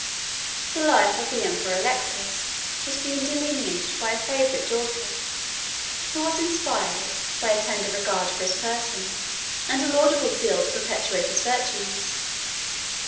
The life of the emperor Alexius has been delineated by a favorite daughter, who was inspired by a tender regard for his person and a laudable zeal to perpetuate his virtues.